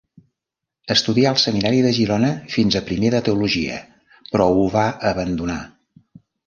Estudià al seminari de Girona fins a primer de teologia, però ho va abandonar.